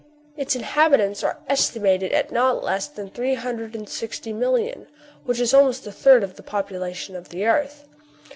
Its inhabitants are estimated at not less than three hundred and sixty million, which is almost a third of the population of the earth.